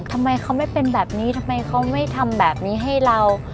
ทำไมเขาไม่เป็นแบบนี้ทำไมเขาไม่ทำแบบนี้ให้เรา